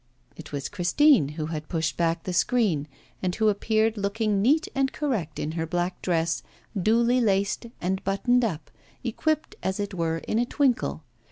It was Christine, who had pushed back the screen, and who appeared looking neat and correct in her black dress, duly laced and buttoned up, equipped, as it were, in a twinkle.